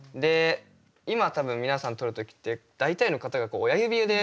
今多分皆さん撮る時って大体の方がこう親指で。